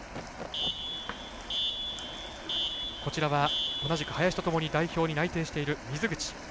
こちらは同じく林とともに代表に内定している水口。